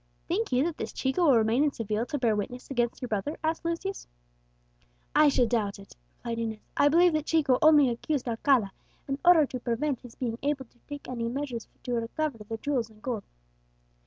"Think you that this Chico will remain in Seville to bear witness against your brother?" asked Lucius. "I should doubt it," replied Inez. "I believe that Chico only accused Alcala in order to prevent his being able to take any measures to recover the jewels and gold."